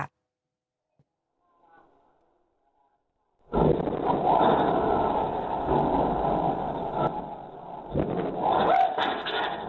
อะไรวะ